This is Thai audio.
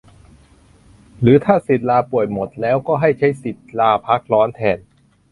หรือถ้าสิทธิ์ลาป่วยหมดแล้วก็ให้ใช้สิทธิ์ลาพักร้อนแทน